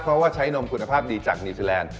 เพราะว่าใช้นมคุณภาพดีจากนิวซีแลนด์